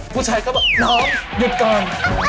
ผู้ชายก็บอกน้องหยุดก่อน